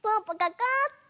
こうっと。